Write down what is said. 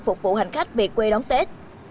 phục vụ hành khách việc quê đóng tết